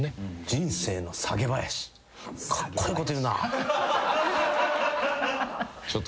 人生の下げ囃子。